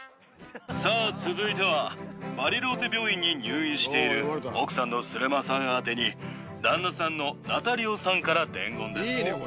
さあ続いては、バリローチェ病院に入院している奥さんのスレマさん宛てに、旦那さんのナタリオさんから伝言です。